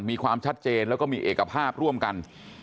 มีความชัดเจนแล้วก็มีเอกภาพร่วมกัน